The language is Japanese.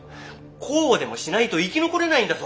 こうでもしないと生き残れないんだぞ！